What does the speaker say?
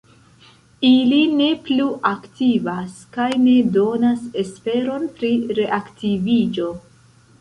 Ili ne plu aktivas kaj ne donas esperon pri reaktiviĝo.